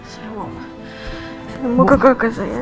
saya mau ke kakak saya